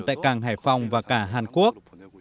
tại càng hải phòng và cả hàn quốc